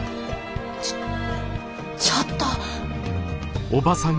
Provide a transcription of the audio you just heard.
ちょちょっと。